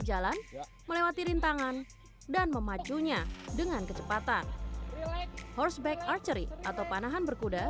jalan melewati rintangan dan memacunya dengan kecepatan horseback archery atau panahan berkuda